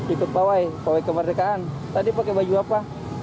ikut pawai pawai kemerdekaan tadi pakai baju apa